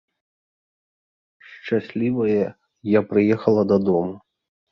Шчаслівая, я прыехала дадому.